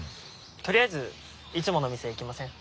とりあえずいつもの店行きません？